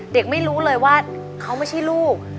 เด็กไม่รู้เลยว่าเขาไม่ใช่ลูก